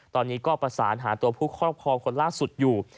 ตอนนี้ก็ประสานหาตัวผู้ครอบครองคนล่าสุดอยู่